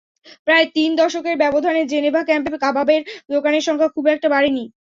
প্রায় তিন দশকের ব্যবধানেও জেনেভা ক্যাম্পে কাবাবের দোকানের সংখ্যা খুব একটা বাড়েনি।